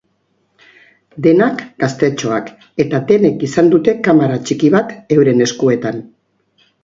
Denak gaztetxoak eta denek izan dute kamara txiki bat euren eskuetan.